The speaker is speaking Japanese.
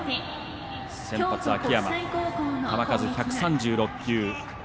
先発、秋山、球数１３６球。